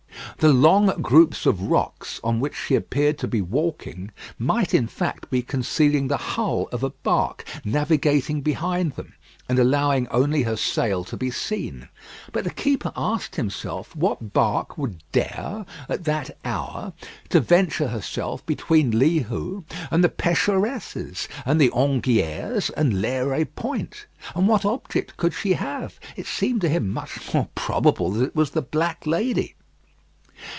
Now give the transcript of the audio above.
The long groups of rocks on which she appeared to be walking, might in fact be concealing the hull of a bark navigating behind them, and allowing only her sail to be seen. But the keeper asked himself, what bark would dare, at that hour, to venture herself between Li Hou and the Pécheresses, and the Anguillières and Lérée Point? And what object could she have? It seemed to him much more probable that it was the Black Lady.